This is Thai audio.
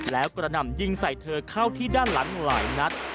แล้วกระหน่ำยิงใส่เธอเข้าที่ด้านหลังหลายนัด